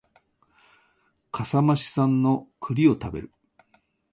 笠間市産の栗を食べる